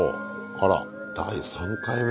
あら第３回目？